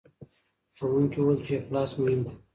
ښوونکي وویل چې اخلاص مهم دی.